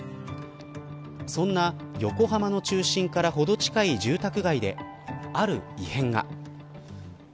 そんな横浜の中心からほど近い住宅街である異変が。